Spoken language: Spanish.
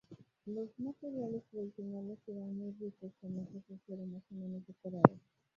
Los materiales tradicionales eran muy ricos, con hojas de acero más o menos decoradas.